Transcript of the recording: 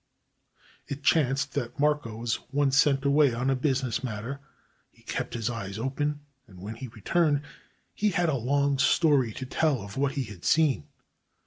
It chanced that Marco was once sent away on a busi ness matter. He kept his eyes open, and when he returned, he had a long story to tell of what he had seen.